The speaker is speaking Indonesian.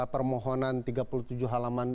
permohonan tiga puluh tujuh halaman